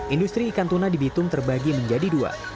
industri ikan tuna di bitung terbagi menjadi dua